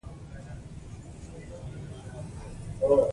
کتاب د پوهې هغه تلپاتې میراث دی چې هېڅکله نه زړېږي.